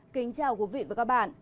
kính chào quý vị và các bạn